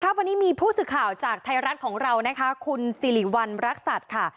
วันนี้มีผู้สื่อข่าวจากไทยรัฐของเรานะคะคุณสิริวัณรักษัตริย์ค่ะ